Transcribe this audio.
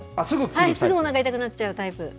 すぐおなか痛くなっちゃうタイプ。